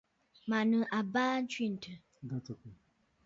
Mə̀ nɨ̂ àbaa ntswêntɨ̀ɨ̀.